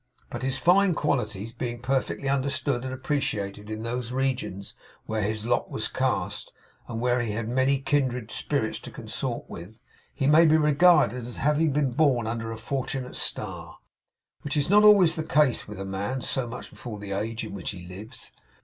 But his fine qualities being perfectly understood and appreciated in those regions where his lot was cast, and where he had many kindred spirits to consort with, he may be regarded as having been born under a fortunate star, which is not always the case with a man so much before the age in which he lives.